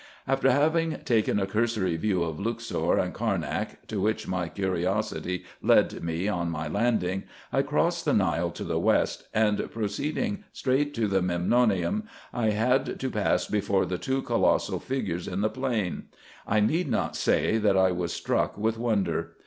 After having taken a cursory view of Luxor and Carnak, to which my curiosity led me on my landing, I crossed the Nile to the west, and proceeding straight to the Memnonium, I had to pass before the two colossal figures in the plain. 1 need not say, that I was struck with wonder.